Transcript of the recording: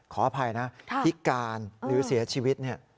ขออภัยนะพิการหรือเสียชีวิตเนี่ย